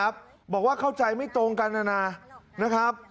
บอกว่าเข้าใจไม่ตรงกันนะครับ